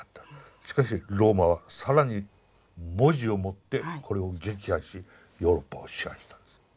しかしローマは更に文字をもってこれを撃破しヨーロッパを支配したんです。